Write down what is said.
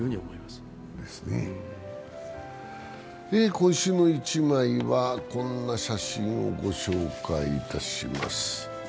「今週の一枚」はこんな写真をご紹介いたします。